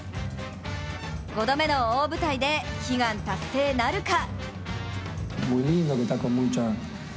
５度目の大舞台で悲願達成なるか。